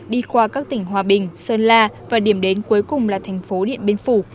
đi qua các tỉnh hòa bình sơn la và điểm đến cuối cùng là thành phố điện biên phủ